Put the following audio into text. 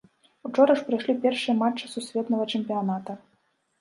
Учора ж прайшлі першыя матчы сусветнага чэмпіяната.